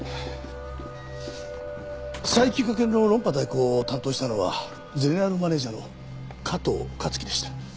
斉木翔の論破代行を担当したのはゼネラルマネージャーの加藤香月でした。